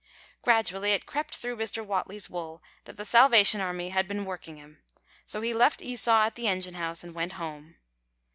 Gradually it crept through Mr. Whatley's wool that the Salvation Army had been working him, so he left Esau at the engine house and went home.